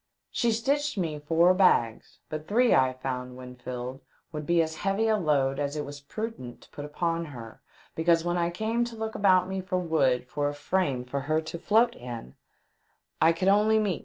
She stitched me four bags, but three I found when filled would be as heavy a load as it was prudent to put upon her ; because when I came to look about me for wood for a frame for her to float in 1 could only meet 448 THE DEATH SHIP.